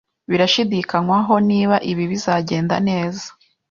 Birashidikanywaho niba ibi bizagenda neza.